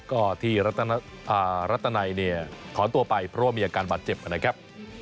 ก็ที่รัตนัยเนี่ยถอนตัวไปเพราะว่ามีอาการบาดเจ็บนะครับ